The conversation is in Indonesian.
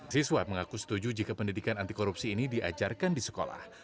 siswa mengaku setuju jika pendidikan anti korupsi ini diajarkan di sekolah